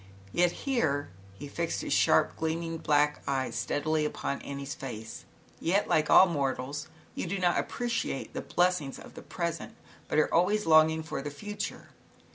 "Yet," here he fixed his sharp, gleaming, black eyes steadily upon An nie's face, " Yet, like all mortals, you do not appreciate the blessings of the pres ent, but are always longing for the fut ure."